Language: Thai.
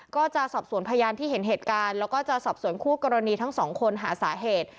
ก็จะสอบสวนพยานที่เห็นเหตุการณ์แล้วก็จะสอบสวนคู่กรณีทั้งสองคนหาสาเหตุ